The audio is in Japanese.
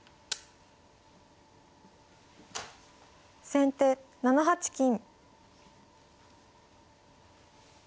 先手７八金。